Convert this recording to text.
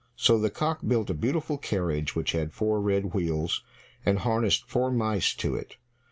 So the cock built a beautiful carriage, which had four red wheels, and harnessed four mice to it.